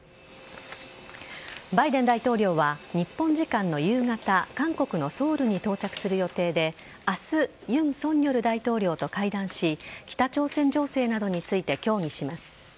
バイデン大統領は日本時間の夕方韓国のソウルに到着する予定で明日、尹錫悦大統領と会談し北朝鮮情勢などについて協議します。